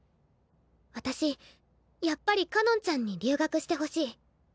私やっぱりかのんちゃんに留学してほしい。